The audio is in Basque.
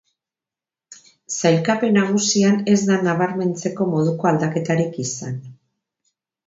Sailkapen nagusian ez da nabarmentzeko moduko aldaketarik izan.